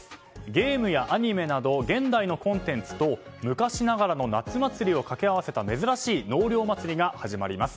ゲームやアニメなど現代のコンテンツと昔ながらの夏祭りを掛け合わせた珍しい納涼祭りが始まります。